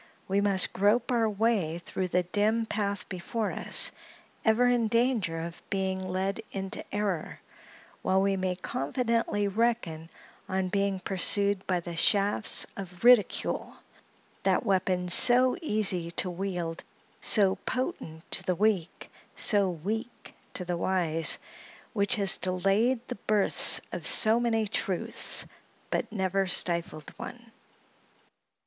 We must grope our way through the dim path before us, ever in danger of being led into error, while we may confidently reckon on being pursued by the shafts of ridicule—that weapon so easy to wield, so potent to the weak, so weak to the wise—which has delayed the births of so many truths, but never stifled one.